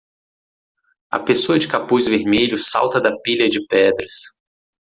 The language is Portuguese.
A pessoa de capuz vermelho salta da pilha de pedras.